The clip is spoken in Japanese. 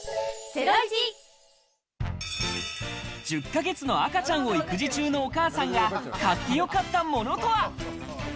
１０ヶ月の赤ちゃんを育児中のお母さんが買ってよかったものとは？